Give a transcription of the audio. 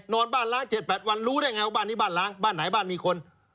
นอนบ้านล้าง๗๘วันรู้ได้ไงว่าบ้านนี้บ้านล้างบ้านไหนบ้านมีคน